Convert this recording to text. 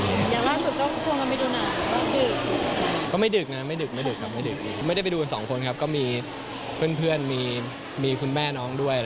ไม่ดึกเลยก็ไม่ดึกก็ไม่ดึกไม่ดึกไม่ดึกก็ไม่ได้ไปดูคน๒คนครับก็มีเพื่อนมีมีคุณแม่น้องด้วย